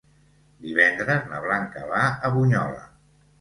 Divendres na Blanca va a Bunyola.